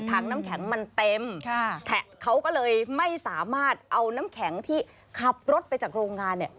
ถังน้ำแข็งมันเต็มเขาก็เลยไม่สามารถเอาน้ำแข็งที่ขับรถไปจากโรงงานเนี่ย